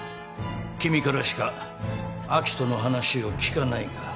君からしか明人の話を聞かないが？